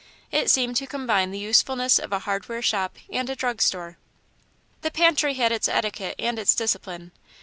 It seemed to combine the usefulness of a hardware shop and a drug store. The pantry had its etiquette and its discipline.